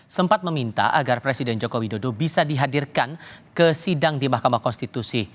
sempat meminta agar presiden joko widodo bisa dihadirkan ke sidang di mahkamah konstitusi